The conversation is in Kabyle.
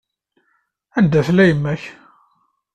Anda tella yemma-k?